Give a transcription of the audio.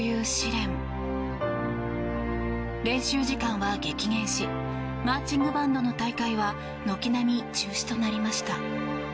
練習時間は激減しマーチングバンドの大会は軒並み中止となりました。